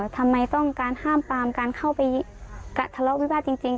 ทำไมต้องการห้ามปามการเข้าไปทะเลาะวิวาสจริง